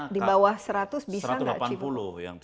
di bawah seratus bisa gak cipu